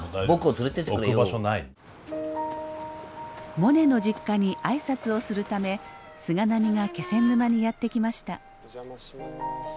モネの実家に挨拶をするため菅波が気仙沼にやって来ました。